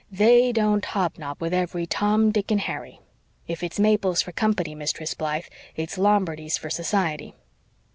THEY don't hobnob with every Tom, Dick and Harry. If it's maples for company, Mistress Blythe, it's Lombardies for society."